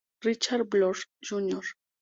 Richard Blood, Jr.